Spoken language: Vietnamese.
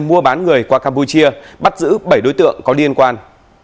mua bán người qua campuchia bắt giữ bảy đối tượng có liên quan